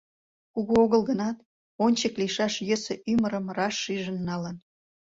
Кугу огыл гынат, ончык лийшаш йӧсӧ ӱмырым раш шижын налын.